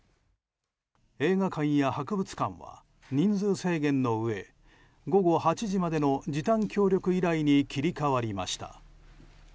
映画館や博物館は人数制限のうえ午後８時までの時短協力依頼に切り替わりました。